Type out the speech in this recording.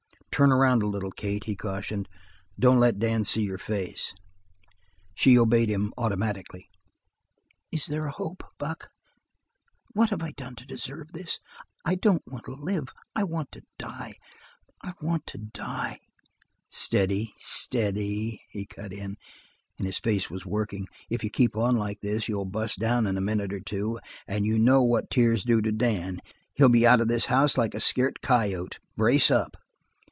"Turn around a little, Kate," he cautioned. "Don't let Dan see your face." She obeyed him automatically. "Is there a hope, Buck? What have I done to deserve this? I don't want to live; I want to die! I want to die!" "Steady, steady!" he cut in, and his face was working. "If you keep on like this you'll bust down in a minute or two. And you know what tears do to Dan; he'll be out of this house like a scairt coyote. Brace up!"